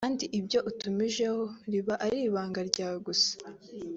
kandi ibyo utumijeho riba ari ibanga ryawe gusa